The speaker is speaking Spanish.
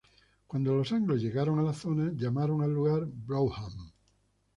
Cuando los anglos llegaron a la zona llamaron al lugar Brougham.